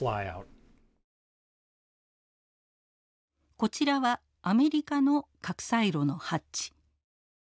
こちらはアメリカの核サイロのハッチ。